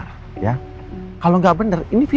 di cerita juga kfunggress